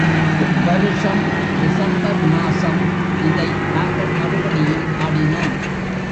இவ்வருஷம் December மாசம் இதை நாங்கள் மறுபடியும் ஆடினோம்.